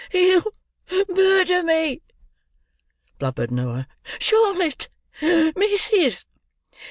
"He'll murder me!" blubbered Noah. "Charlotte! missis!